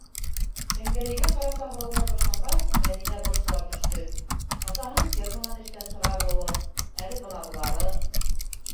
Шәңгәрәйгә ҡарата һорауҙар башланғас, Мәҙинә борсола төштө: атаһының ферманан эштән сығарылыуы, әле бына былары...